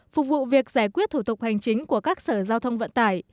phục vụ việc giải quyết thủ tục hành chính của các sở giao thông vận tải